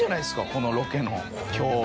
このロケの今日。